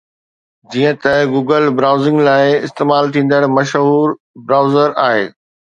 جيئن ته Google browsing لاءِ استعمال ٿيندڙ مشهور برائوزر آهي